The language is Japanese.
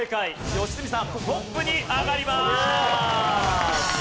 良純さんトップに上がります。